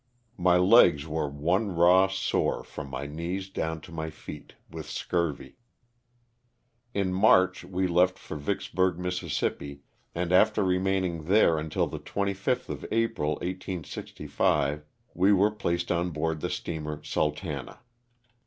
My legs were one raw sore from my knees down to my feet, with scurvy. In March we left for Vicksburg, Miss., and after re maining there until the 25th of April, 1865, we were placed on board the steamer *^ Sultana."